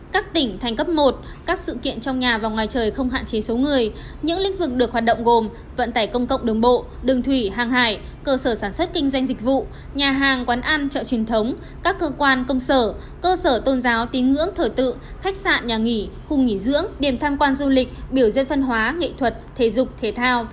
các tỉnh thành cấp một các sự kiện trong nhà và ngoài trời không hạn chế số người những lĩnh vực được hoạt động gồm vận tải công cộng đồng bộ đường thủy hàng hải cơ sở sản xuất kinh doanh dịch vụ nhà hàng quán ăn chợ truyền thống các cơ quan công sở cơ sở tôn giáo tín ngưỡng thở tự khách sạn nhà nghỉ khung nghỉ dưỡng điểm tham quan du lịch biểu dân phân hóa nghệ thuật thể dục thể thao